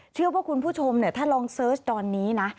เชื่อว่าคุณผู้ชมถ้าลองเสิร์ชตอนนี้นะ